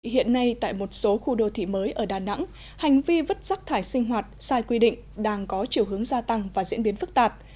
hiện nay tại một số khu đô thị mới ở đà nẵng hành vi vứt rắc thải sinh hoạt sai quy định đang có chiều hướng gia tăng và diễn biến phức tạp